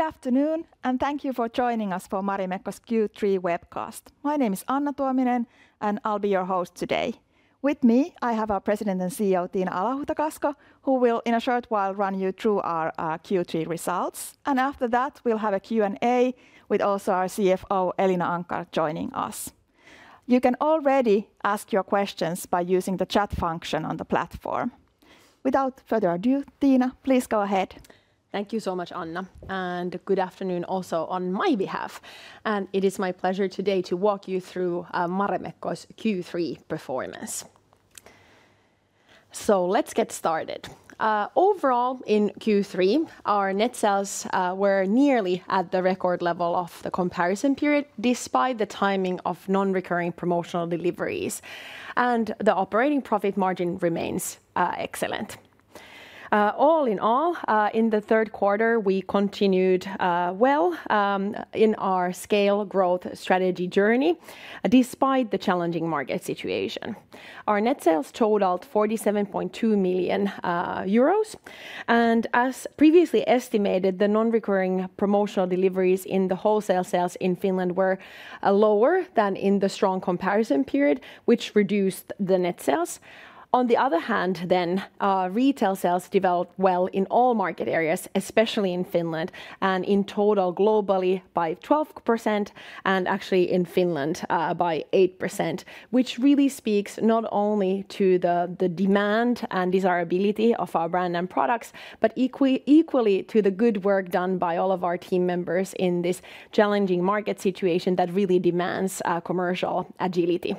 Good afternoon, and thank you for joining us for Marimekko's Q3 Webcast. My name is Anna Tuominen, and I'll be your host today. With me, I have our President and CEO, Tiina Alahuhta-Kasko, who will, in a short while, run you through our Q3 results. And after that, we'll have a Q&A with also our CFO, Elina Anckar, joining us. You can already ask your questions by using the chat function on the platform. Without further ado, Tiina, please go ahead. Thank you so much, Anna, and good afternoon also on my behalf. And it is my pleasure today to walk you through Marimekko's Q3 performance. So let's get started. Overall, in Q3, our net sales were nearly at the record level of the comparison period, despite the timing of non-recurring promotional deliveries, and the operating profit margin remains excellent. All in all, in the third quarter, we continued well in our SCALE growth strategy journey, despite the challenging market situation. Our net sales totaled 47.2 million euros, and as previously estimated, the non-recurring promotional deliveries in the wholesale sales in Finland were lower than in the strong comparison period, which reduced the net sales. On the other hand, then retail sales developed well in all market areas, especially in Finland, and in total globally by 12%, and actually in Finland by 8%, which really speaks not only to the demand and desirability of our brand and products, but equally to the good work done by all of our team members in this challenging market situation that really demands commercial agility.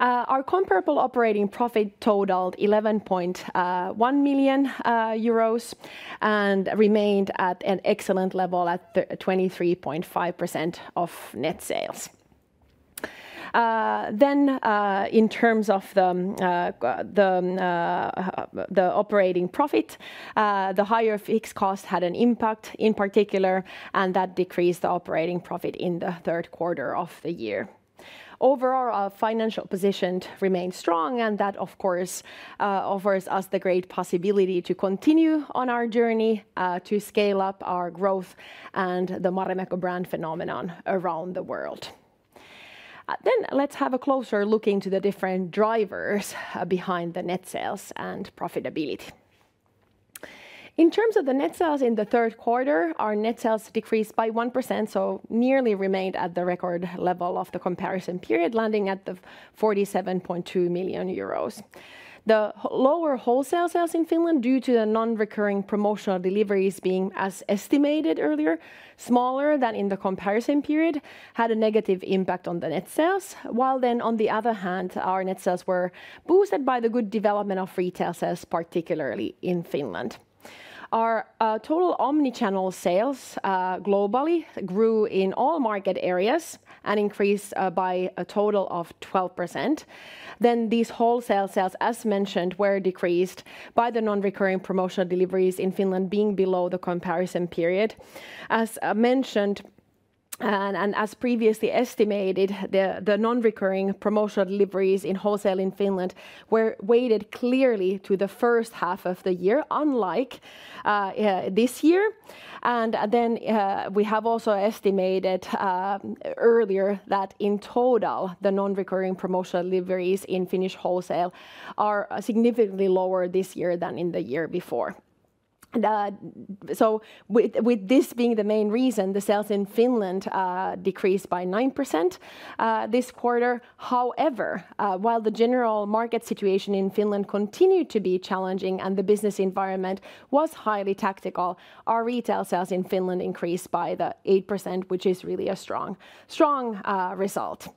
Our comparable operating profit totaled 11.1 million euros and remained at an excellent level at 23.5% of net sales. Then, in terms of the operating profit, the higher fixed cost had an impact in particular, and that decreased the operating profit in the third quarter of the year. Overall, our financial position remained strong, and that, of course, offers us the great possibility to continue on our journey to scale up our growth and the Marimekko brand phenomenon around the world. Then let's have a closer look into the different drivers behind the net sales and profitability. In terms of the net sales in the third quarter, our net sales decreased by 1%, so nearly remained at the record level of the comparison period, landing at 47.2 million euros. The lower wholesale sales in Finland, due to the non-recurring promotional deliveries being as estimated earlier, smaller than in the comparison period, had a negative impact on the net sales, while then, on the other hand, our net sales were boosted by the good development of retail sales, particularly in Finland. Our total omnichannel sales globally grew in all market areas and increased by a total of 12%. Then these wholesale sales, as mentioned, were decreased by the non-recurring promotional deliveries in Finland being below the comparison period. As mentioned and as previously estimated, the non-recurring promotional deliveries in wholesale in Finland were weighted clearly to the first half of the year, unlike this year, and then we have also estimated earlier that in total, the non-recurring promotional deliveries in Finnish wholesale are significantly lower this year than in the year before, so with this being the main reason, the sales in Finland decreased by 9% this quarter. However, while the general market situation in Finland continued to be challenging and the business environment was highly tactical, our retail sales in Finland increased by 8%, which is really a strong result.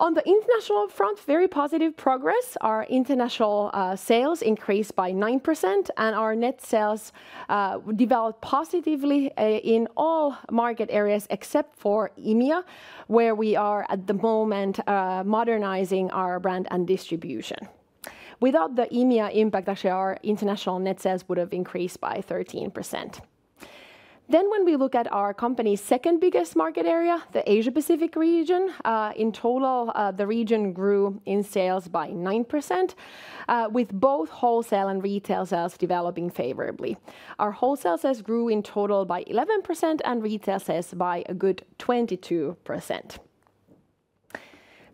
On the international front, very positive progress. Our international sales increased by 9%, and our net sales developed positively in all market areas except for EMEA, where we are at the moment modernizing our brand and distribution. Without the EMEA impact, actually, our international net sales would have increased by 13%. Then when we look at our company's second biggest market area, the Asia-Pacific region, in total, the region grew in sales by 9%, with both wholesale and retail sales developing favorably. Our wholesale sales grew in total by 11% and retail sales by a good 22%.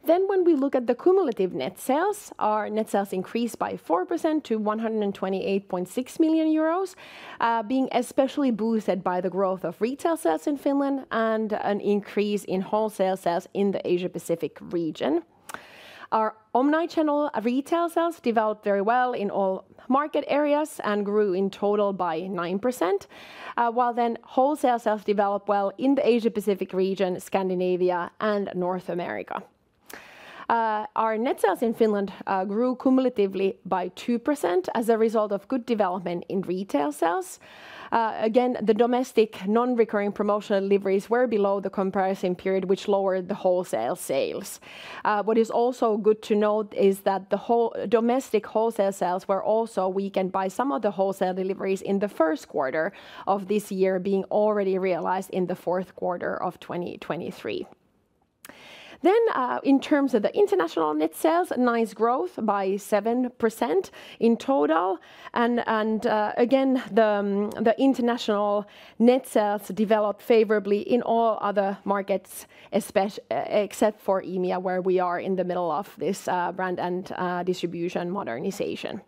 Then when we look at the cumulative net sales, our net sales increased by 4% to 128.6 million euros, being especially boosted by the growth of retail sales in Finland and an increase in wholesale sales in the Asia-Pacific region. Our omnichannel retail sales developed very well in all market areas and grew in total by 9%, while then wholesale sales developed well in the Asia-Pacific region, Scandinavia, and North America. Our net sales in Finland grew cumulatively by 2% as a result of good development in retail sales. Again, the domestic non-recurring promotional deliveries were below the comparison period, which lowered the wholesale sales. What is also good to note is that the domestic wholesale sales were also weakened by some of the wholesale deliveries in the first quarter of this year, being already realized in the fourth quarter of 2023. Then in terms of the international net sales, nice growth by 7% in total. And again, the international net sales developed favorably in all other markets, except for EMEA, where we are in the middle of this brand and distribution modernization.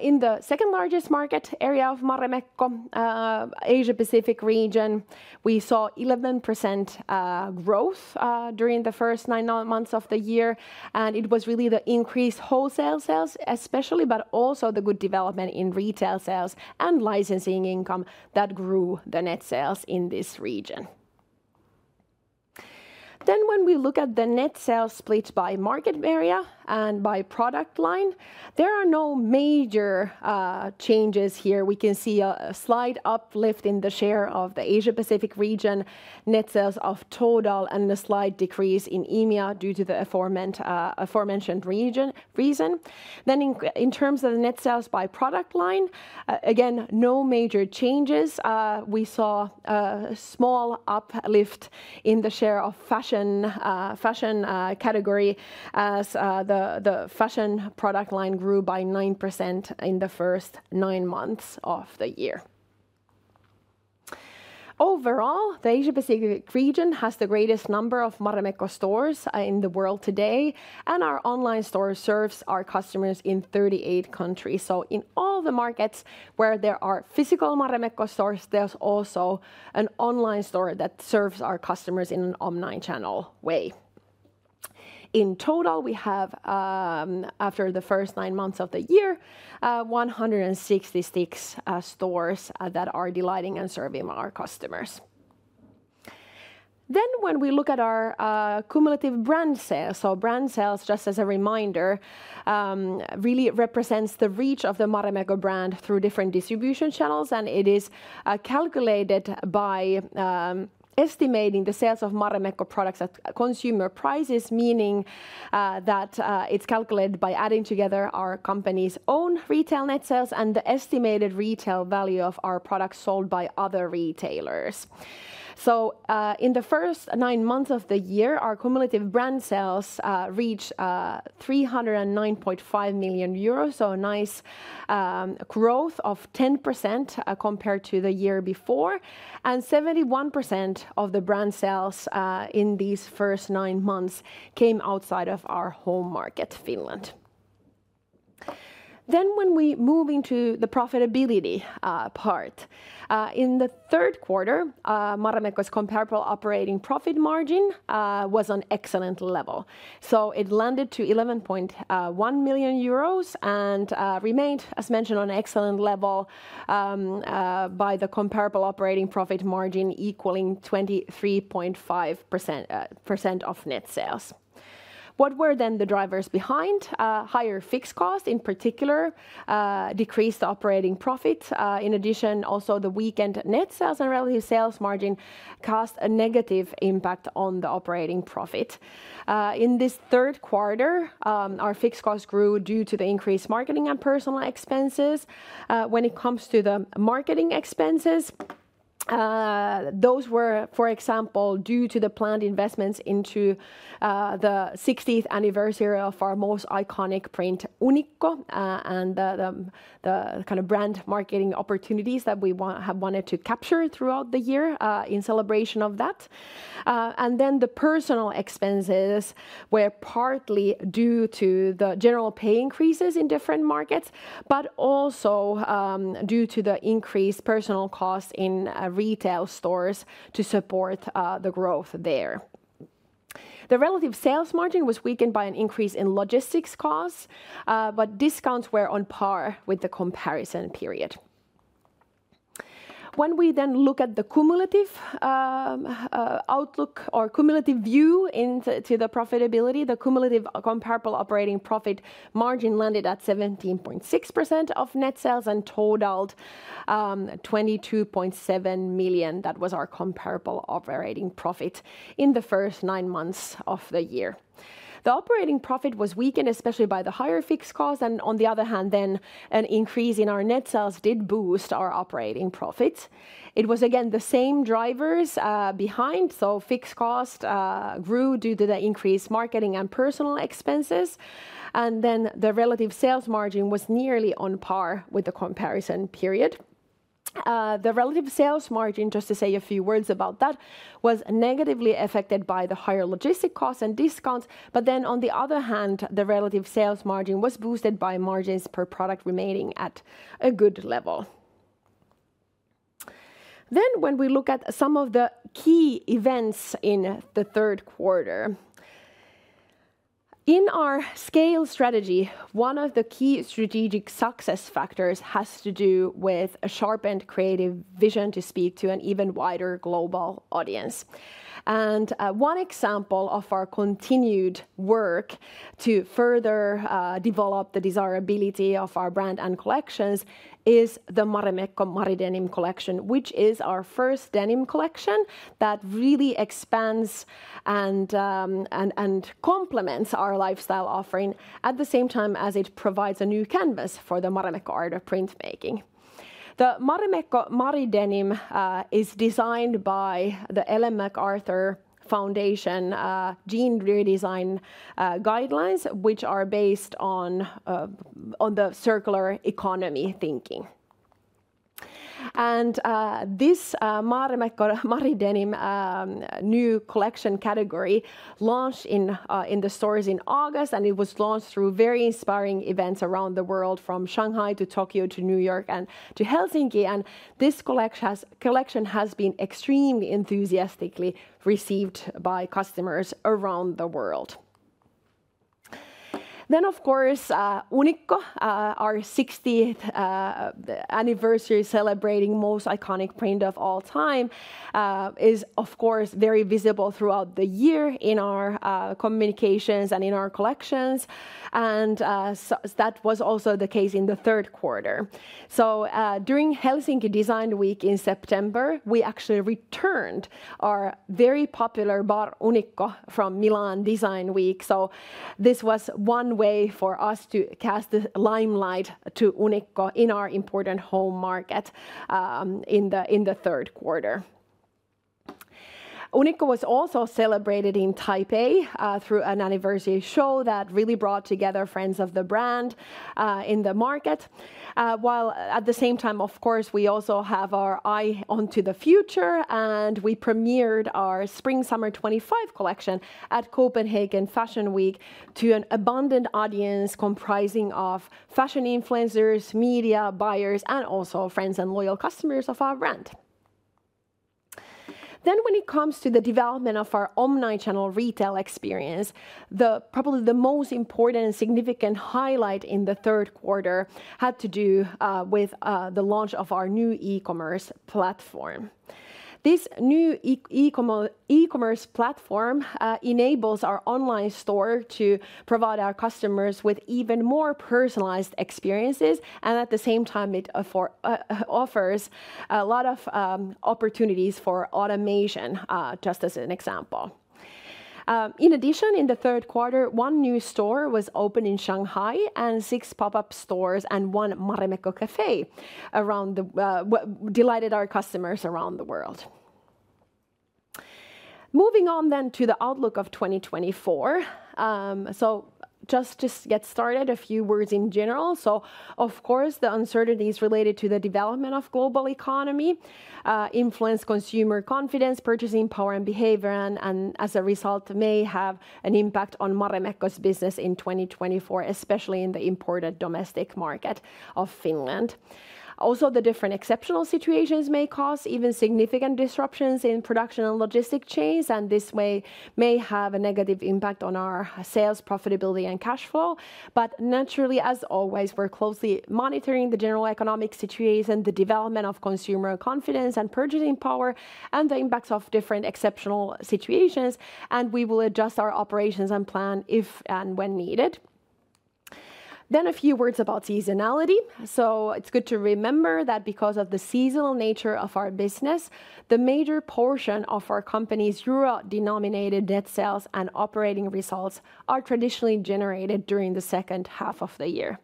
In the second largest market area of Marimekko, Asia-Pacific region, we saw 11% growth during the first nine months of the year. And it was really the increased wholesale sales especially, but also the good development in retail sales and licensing income that grew the net sales in this region. Then when we look at the net sales split by market area and by product line, there are no major changes here. We can see a slight uplift in the share of the Asia-Pacific region net sales of total and a slight decrease in EMEA due to the aforementioned reason. Then in terms of the net sales by product line, again, no major changes. We saw a small uplift in the share of fashion category as the fashion product line grew by 9% in the first nine months of the year. Overall, the Asia-Pacific region has the greatest number of Marimekko stores in the world today, and our online store serves our customers in 38 countries. So in all the markets where there are physical Marimekko stores, there's also an online store that serves our customers in an omnichannel way. In total, we have, after the first nine months of the year, 166 stores that are delighting and serving our customers. Then when we look at our cumulative brand sales, so brand sales, just as a reminder, really represents the reach of the Marimekko brand through different distribution channels, and it is calculated by estimating the sales of Marimekko products at consumer prices, meaning that it's calculated by adding together our company's own retail net sales and the estimated retail value of our products sold by other retailers. So in the first nine months of the year, our cumulative brand sales reached 309.5 million euros, so a nice growth of 10% compared to the year before, and 71% of the brand sales in these first nine months came outside of our home market, Finland. Then when we move into the profitability part, in the third quarter, Marimekko's comparable operating profit margin was on excellent level. So it landed to 11.1 million euros and remained, as mentioned, on excellent level by the comparable operating profit margin equaling 23.5% of net sales. What were then the drivers behind? Higher fixed costs, in particular, decreased operating profit. In addition, also the weakened net sales and relative sales margin caused a negative impact on the operating profit. In this third quarter, our fixed costs grew due to the increased marketing and personnel expenses. When it comes to the marketing expenses, those were, for example, due to the planned investments into the 60th anniversary of our most iconic print, Unikko, and the kind of brand marketing opportunities that we have wanted to capture throughout the year in celebration of that. Then the personal expenses were partly due to the general pay increases in different markets, but also due to the increased personal costs in retail stores to support the growth there. The relative sales margin was weakened by an increase in logistics costs, but discounts were on par with the comparison period. When we then look at the cumulative outlook or cumulative view into the profitability, the cumulative comparable operating profit margin landed at 17.6% of net sales and totaled 22.7 million. That was our comparable operating profit in the first nine months of the year. The operating profit was weakened, especially by the higher fixed costs, and on the other hand, then an increase in our net sales did boost our operating profits. It was again the same drivers behind, so fixed costs grew due to the increased marketing and personnel expenses, and then the relative sales margin was nearly on par with the comparison period. The relative sales margin, just to say a few words about that, was negatively affected by the higher logistics costs and discounts, but then on the other hand, the relative sales margin was boosted by margins per product remaining at a good level. Then when we look at some of the key events in the third quarter, in our SCALE strategy, one of the key strategic success factors has to do with a sharpened creative vision to speak to an even wider global audience. One example of our continued work to further develop the desirability of our brand and collections is the Marimekko Maridenim collection, which is our first denim collection that really expands and complements our lifestyle offering at the same time as it provides a new canvas for the Marimekko art of printmaking. The Marimekko Maridenim is designed by the Ellen MacArthur Foundation Jeans Redesign Guidelines, which are based on the circular economy thinking. This Marimekko Maridenim new collection category launched in the stores in August, and it was launched through very inspiring events around the world from Shanghai to Tokyo to New York and to Helsinki. This collection has been extremely enthusiastically received by customers around the world. Unikko, our 60th anniversary celebrating most iconic print of all time, is, of course, very visible throughout the year in our communications and in our collections. That was also the case in the third quarter. During Helsinki Design Week in September, we actually returned our very popular Bar Unikko from Milan Design Week. This was one way for us to cast the limelight to Unikko in our important home market in the third quarter. Unikko was also celebrated in Taipei through an anniversary show that really brought together friends of the brand in the market. While at the same time, of course, we also have our eye onto the future, and we premiered our Spring/Summer 2025 collection at Copenhagen Fashion Week to an abundant audience comprising of fashion influencers, media buyers, and also friends and loyal customers of our brand. Then when it comes to the development of our omnichannel retail experience, probably the most important and significant highlight in the third quarter had to do with the launch of our new e-commerce platform. This new e-commerce platform enables our online store to provide our customers with even more personalized experiences, and at the same time, it offers a lot of opportunities for automation, just as an example. In addition, in the third quarter, one new store was opened in Shanghai and six pop-up stores and one Marimekko Café around the world, delighted our customers around the world. Moving on then to the outlook of 2024. Just to get started, a few words in general. Of course, the uncertainties related to the development of the global economy influence consumer confidence, purchasing power, and behavior, and as a result, may have an impact on Marimekko's business in 2024, especially in the important domestic market of Finland. Also, the different exceptional situations may cause even significant disruptions in production and logistics chains, and this way may have a negative impact on our sales, profitability, and cash flow. Naturally, as always, we're closely monitoring the general economic situation, the development of consumer confidence and purchasing power, and the impacts of different exceptional situations, and we will adjust our operations and plan if and when needed. A few words about seasonality. It's good to remember that because of the seasonal nature of our business, the major portion of our company's euro-denominated net sales and operating results are traditionally generated during the second half of the year.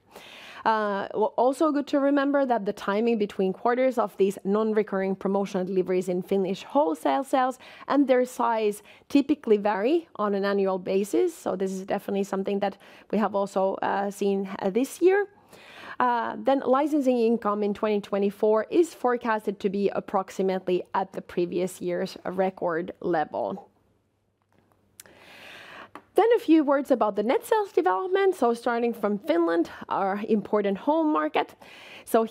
Also good to remember that the timing between quarters of these non-recurring promotional deliveries in Finnish wholesale sales and their size typically vary on an annual basis. This is definitely something that we have also seen this year. Licensing income in 2024 is forecasted to be approximately at the previous year's record level. A few words about the net sales development. Starting from Finland, our important home market.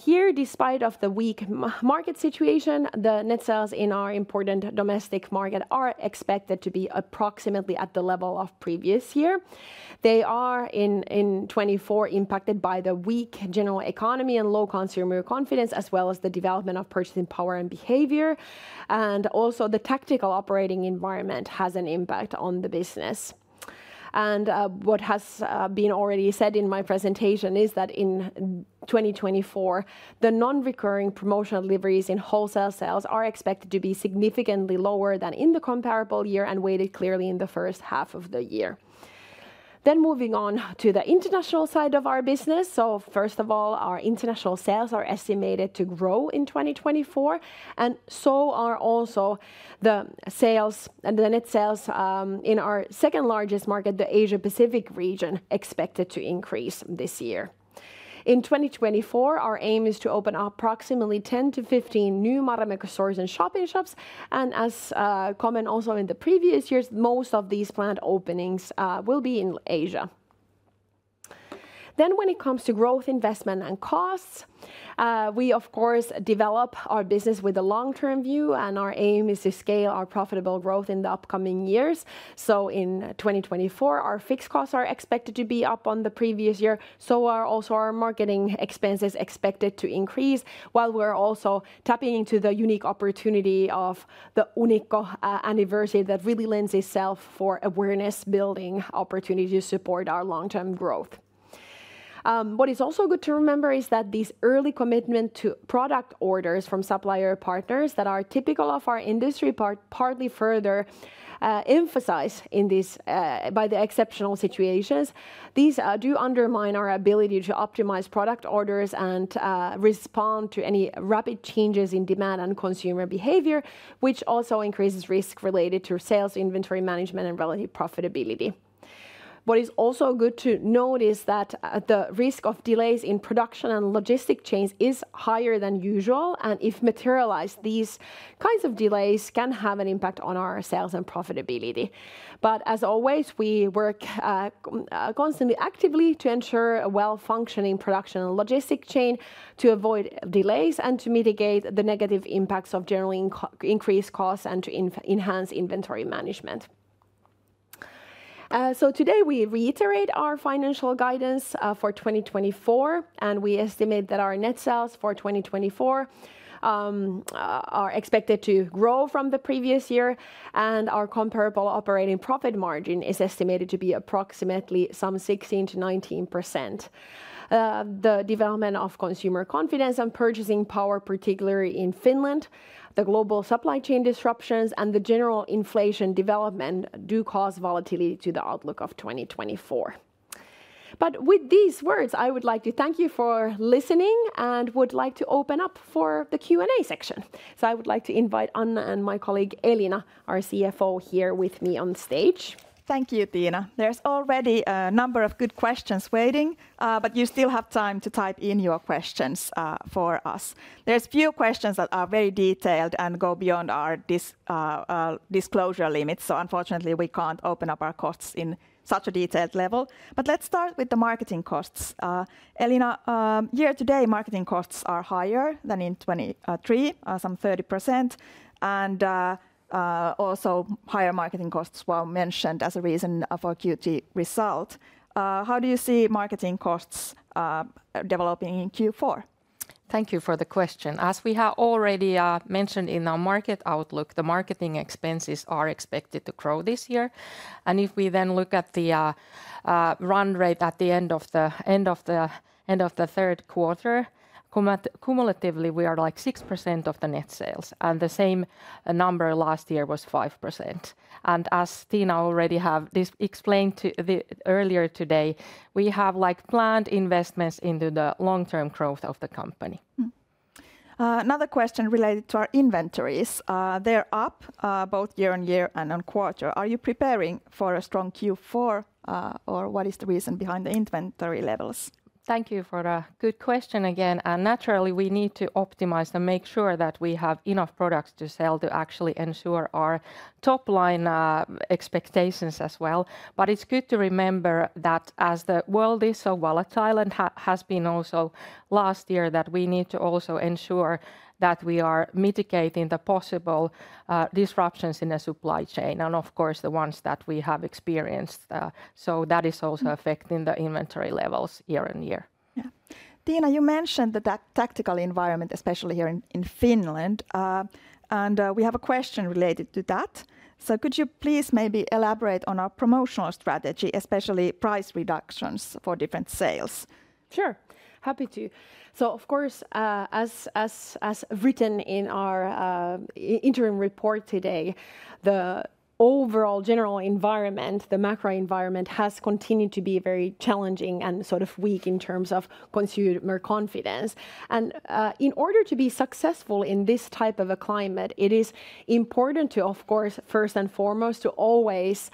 Here, despite the weak market situation, the net sales in our important domestic market are expected to be approximately at the level of the previous year. They are in 2024 impacted by the weak general economy and low consumer confidence, as well as the development of purchasing power and behavior, and also the tactical operating environment has an impact on the business, and what has been already said in my presentation is that in 2024, the non-recurring promotional deliveries in wholesale sales are expected to be significantly lower than in the comparable year and weighted clearly in the first half of the year, then moving on to the international side of our business, so first of all, our international sales are estimated to grow in 2024, and so are also the sales and the net sales in our second largest market, the Asia-Pacific region, expected to increase this year. In 2024, our aim is to open approximately 10-15 new Marimekko stores and shop-in-shops. And as common also in the previous years, most of these planned openings will be in Asia. Then when it comes to growth, investment, and costs, we, of course, develop our business with a long-term view, and our aim is to scale our profitable growth in the upcoming years. So in 2024, our fixed costs are expected to be up on the previous year. So are also our marketing expenses expected to increase while we're also tapping into the unique opportunity of the Unikko anniversary that really lends itself for awareness-building opportunities to support our long-term growth. What is also good to remember is that these early commitments to product orders from supplier partners that are typical of our industry partly further emphasize in these by the exceptional situations. These do undermine our ability to optimize product orders and respond to any rapid changes in demand and consumer behavior, which also increases risk related to sales, inventory management, and relative profitability. What is also good to note is that the risk of delays in production and logistics chains is higher than usual, and if materialized, these kinds of delays can have an impact on our sales and profitability. But as always, we work constantly, actively to ensure a well-functioning production and logistics chain to avoid delays and to mitigate the negative impacts of generally increased costs and to enhance inventory management. So today we reiterate our financial guidance for 2024, and we estimate that our net sales for 2024 are expected to grow from the previous year, and our comparable operating profit margin is estimated to be approximately some 16%-19%. The development of consumer confidence and purchasing power, particularly in Finland, the global supply chain disruptions, and the general inflation development do cause volatility to the outlook of 2024. But with these words, I would like to thank you for listening and would like to open up for the Q&A section. So I would like to invite Anna and my colleague Elina, our CFO, here with me on stage. Thank you, Tiina. There's already a number of good questions waiting, but you still have time to type in your questions for us. There's a few questions that are very detailed and go beyond our disclosure limits, so unfortunately we can't open up our costs in such a detailed level. But let's start with the marketing costs. Elina, year to date, marketing costs are higher than in 2023, some 30%, and also higher marketing costs were mentioned as a reason for Q3 result. How do you see marketing costs developing in Q4? Thank you for the question. As we have already mentioned in our market outlook, the marketing expenses are expected to grow this year, and if we then look at the run rate at the end of the third quarter, cumulatively we are like 6% of the net sales, and the same number last year was 5%, and as Tiina already explained earlier today, we have planned investments into the long-term growth of the company. Another question related to our inventories. They're up both year on year and on quarter. Are you preparing for a strong Q4, or what is the reason behind the inventory levels? Thank you for the good question again. And naturally, we need to optimize and make sure that we have enough products to sell to actually ensure our top-line expectations as well. But it's good to remember that as the world is so volatile and has been also last year, that we need to also ensure that we are mitigating the possible disruptions in the supply chain and, of course, the ones that we have experienced. So that is also affecting the inventory levels year on year. Tiina, you mentioned that that tactical environment, especially here in Finland, and we have a question related to that. So could you please maybe elaborate on our promotional strategy, especially price reductions for different sales? Sure, happy to. So of course, as written in our interim report today, the overall general environment, the macro environment has continued to be very challenging and sort of weak in terms of consumer confidence. In order to be successful in this type of a climate, it is important to, of course, first and foremost, to always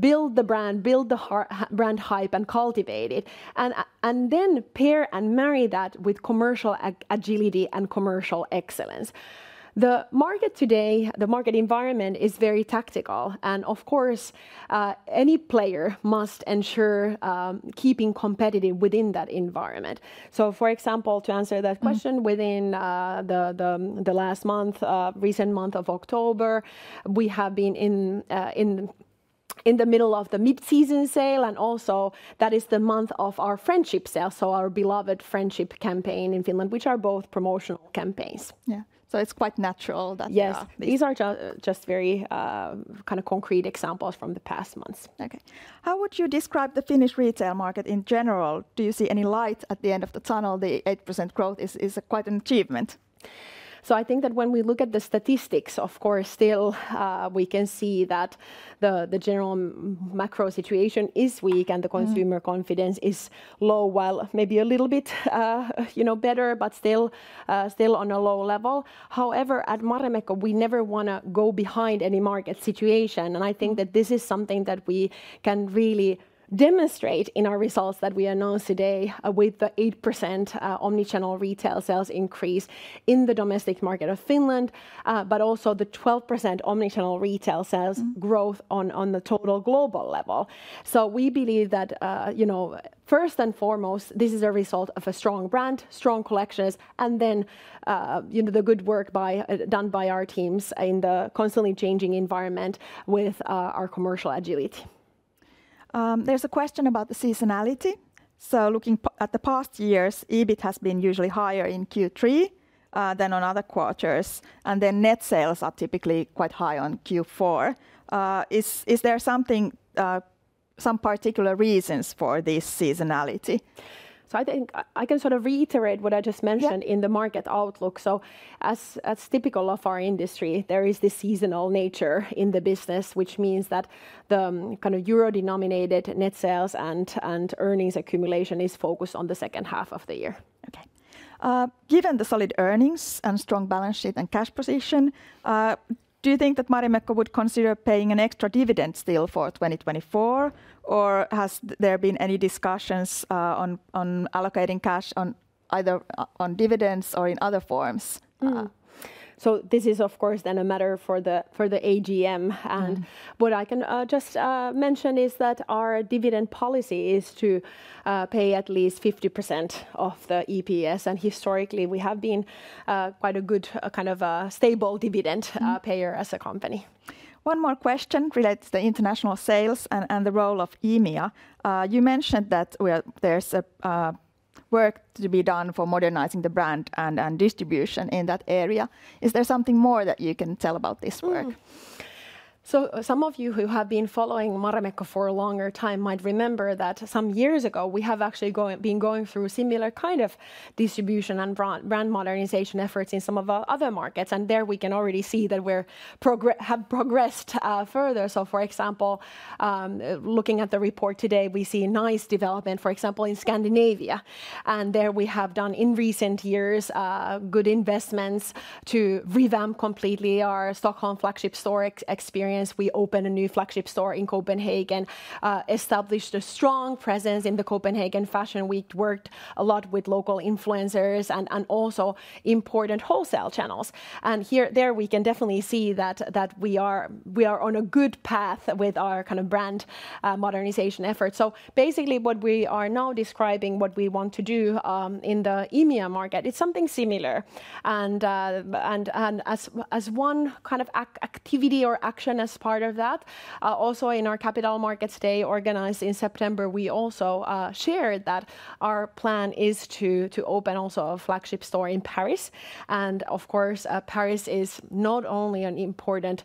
build the brand, build the brand hype and cultivate it, and then pair and marry that with commercial agility and commercial excellence. The market today, the market environment is very tactical, and of course, any player must ensure keeping competitive within that environment. So for example, to answer that question, within the last month, recent month of October, we have been in the middle of the mid-season sale, and also that is the month of our Friendship Sale, so our beloved friendship campaign in Finland, which are both promotional campaigns. Yeah, so it's quite natural that. Yeah, these are just very kind of concrete examples from the past months. Okay, how would you describe the Finnish retail market in general? Do you see any light at the end of the tunnel? The 8% growth is quite an achievement. So I think that when we look at the statistics, of course, still we can see that the general macro situation is weak and the consumer confidence is low, while maybe a little bit better, but still on a low level. However, at Marimekko, we never want to go behind any market situation, and I think that this is something that we can really demonstrate in our results that we announced today with the 8% omnichannel retail sales increase in the domestic market of Finland, but also the 12% omnichannel retail sales growth on the total global level. We believe that, first and foremost, this is a result of a strong brand, strong collections, and then the good work done by our teams in the constantly changing environment with our commercial agility. There's a question about the seasonality. Looking at the past years, EBIT has been usually higher in Q3 than on other quarters, and then net sales are typically quite high on Q4. Is there some particular reasons for this seasonality? I think I can sort of reiterate what I just mentioned in the market outlook. As typical of our industry, there is this seasonal nature in the business, which means that the kind of euro-denominated net sales and earnings accumulation is focused on the second half of the year. Okay, given the solid earnings and strong balance sheet and cash position, do you think that Marimekko would consider paying an extra dividend still for 2024, or has there been any discussions on allocating cash either on dividends or in other forms? So this is, of course, then a matter for the AGM, and what I can just mention is that our dividend policy is to pay at least 50% of the EPS, and historically we have been quite a good kind of stable dividend payer as a company. One more question relates to the international sales and the role of EMEA. You mentioned that there's work to be done for modernizing the brand and distribution in that area. Is there something more that you can tell about this work? So some of you who have been following Marimekko for a longer time might remember that some years ago we have actually been going through similar kind of distribution and brand modernization efforts in some of our other markets, and there we can already see that we have progressed further. So for example, looking at the report today, we see nice development, for example, in Scandinavia, and there we have done in recent years good investments to revamp completely our Stockholm flagship store experience. We opened a new flagship store in Copenhagen, established a strong presence in the Copenhagen Fashion Week, worked a lot with local influencers, and also important wholesale channels. And there we can definitely see that we are on a good path with our kind of brand modernization efforts. So basically what we are now describing, what we want to do in the EMEA market, it's something similar. And as one kind of activity or action as part of that, also in our Capital Markets Day organized in September, we also shared that our plan is to open also a flagship store in Paris. And of course, Paris is not only an important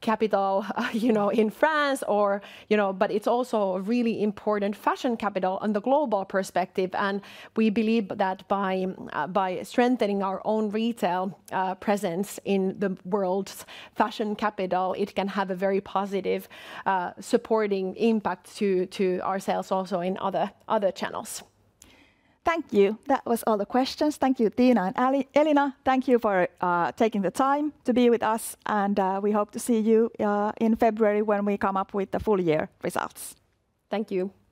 capital, you know, in France, but it's also a really important fashion capital on the global perspective. And we believe that by strengthening our own retail presence in the world's fashion capital, it can have a very positive supporting impact to our sales also in other channels. Thank you. That was all the questions. Thank you, Tiina and Elina. Thank you for taking the time to be with us, and we hope to see you in February when we come up with the full year results. Thank you.